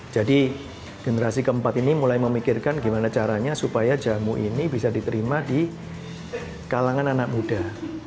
jadi generasi keempat ini mulai memikirkan gimana caranya supaya jamu ini bisa diterima di kalangan anak muda